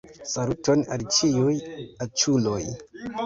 Saluton al ĉiuj aĉuloj